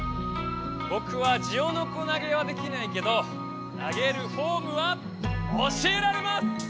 ぼくはジオノコなげはできないけどなげるフォームは教えられます！